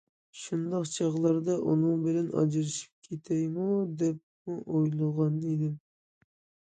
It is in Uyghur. شۇنداق چاغلاردا ئۇنىڭ بىلەن ئاجرىشىپ كېتەيمۇ، دەپمۇ ئويلىغانىدىم.